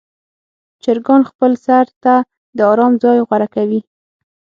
چرګان خپل سر ته د آرام ځای غوره کوي.